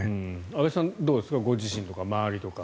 安部さん、どうですかご自身とか周りとか。